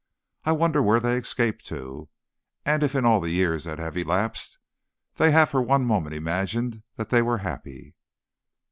I wonder where they escaped to, and if in all the years that have elapsed, they have for one moment imagined that they were happy."